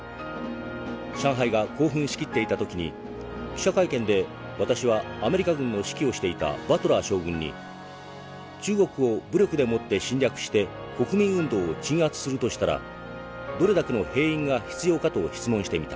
上海が興奮しきっていた時に記者会見で私はアメリカ軍の指揮をしていたバトラー将軍に『中国を武力でもって侵略して国民運動を鎮圧するとしたらどれだけの兵員が必要か』と質問してみた。